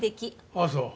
ああそう。